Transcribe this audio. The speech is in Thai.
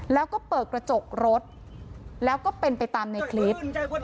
แล้วก็เปิดกระจกรถแล้วก็เป็นไปตามในคลิป